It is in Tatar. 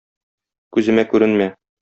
Күземә күренмә!